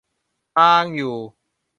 ทางอยู่